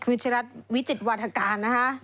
วิชลัทธ์วิจิตวัฒนาการนะครับ